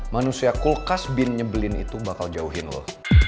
manusia kulkas bin nyebelin itu bakal jauhin loh